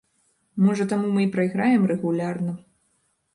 Можа, таму мы і прайграем рэгулярна?